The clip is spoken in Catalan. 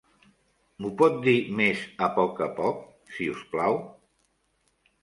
Mho pot dir més a poc a poc, si us plau?